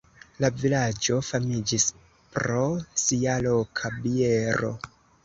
La vilaĝo famiĝis pro sia loka biero.